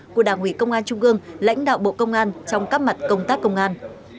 của đảng ủy công an trung ương lãnh đạo bộ công an trong các mặt công tác công an